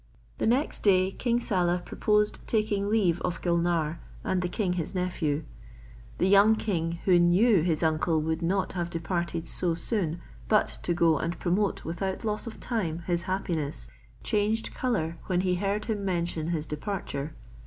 Next day King Saleh proposed taking leave of Gulnare and the king his nephew. The young king, who knew his uncle would not have de parted so soon but to go and promote without loss of time his happiness, changed colour when he heard him mention his departure.